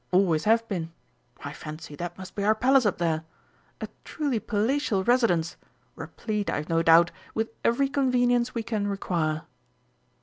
Always have been.... I fancy that must be our Palace up there. A truly palatial residence replete, I've no doubt, with every convenience we can require."